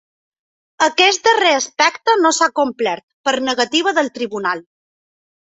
Aquest darrer aspecte no s’ha complert, per negativa del tribunal.